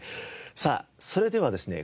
さあそれではですね